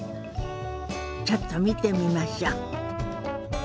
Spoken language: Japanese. ちょっと見てみましょ。